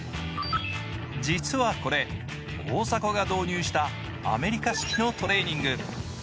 実はこれ、大迫が導入したアメリカ式のトレーニング。